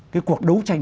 cái cuộc đấu tranh